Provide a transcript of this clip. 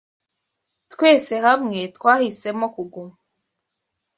Twese hamwe twahisemo kuguma